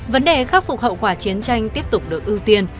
vấn đề khắc phục hậu quả chiến tranh tiếp tục được ưu tiên